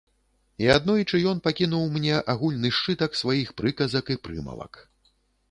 І аднойчы ён пакінуў мне агульны сшытак сваіх прыказак і прымавак.